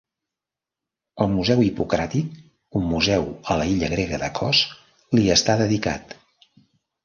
El Museu Hipocràtic, un museu a l'illa grega de Kos, li està dedicat.